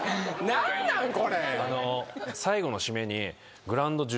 何なんこれ？